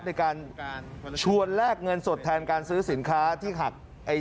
ในการชวนแลกเงินสดแทนการซื้อสินค้าที่หัก